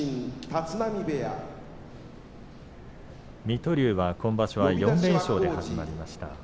水戸龍は今場所４連勝で始まりました。